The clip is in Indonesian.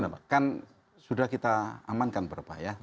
kan sudah kita amankan berapa ya